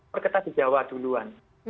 perketat di jawa duluan